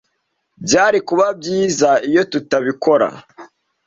Byari kuba byiza iyo tutabikora.